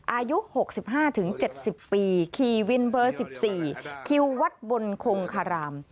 อายุ๖๕๗๐ปีขี่วินเบอร์๑๔คิววัดบนคงคาราม